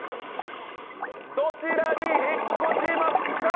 どちらに引っ越しますか？！